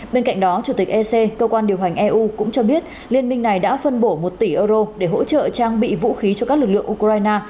bên cạnh đó chủ tịch ec cơ quan điều hành eu cũng cho biết liên minh này đã phân bổ một tỷ euro để hỗ trợ trang bị vũ khí cho các lực lượng ukraine